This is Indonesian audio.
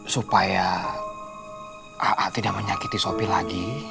supaya a'a tidak menyakiti sopi lagi